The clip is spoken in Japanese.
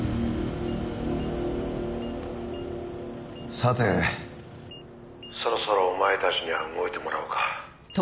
さてそろそろお前たちには動いてもらおうか。